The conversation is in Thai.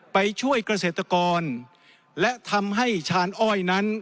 ไปช่วยเกษตรกรและทำให้ชาญอ้อยนั้น